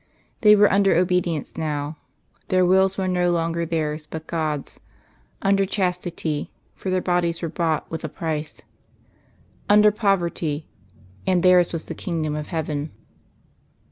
They were under obedience now; their wills were no longer theirs but God's; under chastity for their bodies were bought with a price; under poverty, and theirs was the kingdom of heaven.